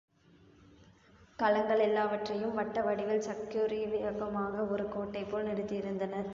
கலங்களெல்லாவற்றையும் வட்டவடிவில் சக்கரவியூகமாக ஒரு கோட்டைபோல் நிறுத்தியிருந்தனர்.